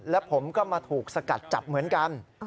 แล้วผมก็มาถูกสกัดจับเหมือนกัน